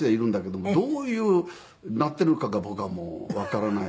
どういうなっているのかが僕はもうわからない。